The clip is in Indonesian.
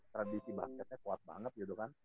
tradisi basketnya kuat banget gitu kan